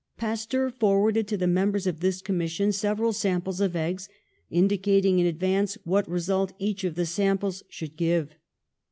Pasteur forwarded to the members of this commission several samples of eggs, indicating in advance what result each of the samples should give.